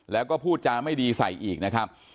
แล้วก็พูดจาไม่ดีใส่อีกนะครับ